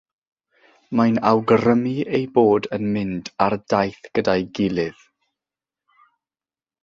Mae'n awgrymu eu bod yn mynd ar daith gyda'i gilydd.